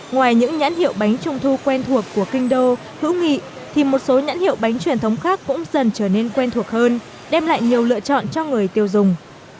ngoài những nhãn hiệu bánh trung thu quen thuộc của kinh đô hữu nghị thì một số nhãn hiệu bánh truyền thống khác cũng dần trở nên quen thuộc hơn đem lại nhiều lựa chọn cho người tiêu dùng